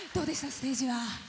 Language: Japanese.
ステージは。